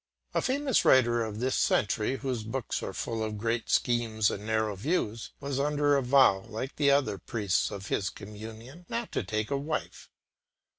A famous writer of this century, whose books are full of great schemes and narrow views, was under a vow, like the other priests of his communion, not to take a wife.